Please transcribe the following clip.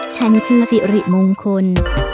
ฉันคือสิริมงคล